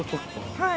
はい。